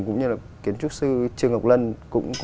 cũng như là kiến trúc sư trương ngọc lân